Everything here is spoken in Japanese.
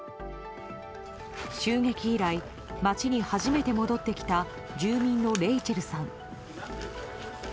襲撃以来町に初めて戻ってきた住民のレイチェルさん。